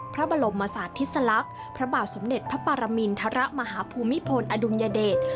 พระบรมศาสตร์ทิศลักษณ์พระบาทสมเด็จพระปรมินทรมาฮภูมิพลอดุลยเดช